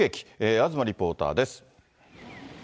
東リポーターです。